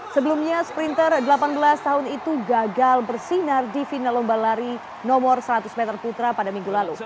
sebelumnya sprinter delapan belas tahun itu gagal bersinar di final lomba lari nomor seratus meter putra pada minggu lalu